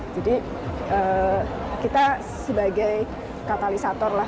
jadi kita sebagai katalisator lah